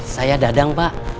saya dadang pak